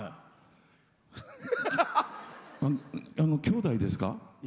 きょうだいですか？